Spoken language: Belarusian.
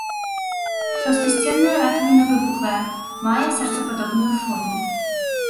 Таўстасценная ракавіна выпуклая, мае сэрцападобную форму.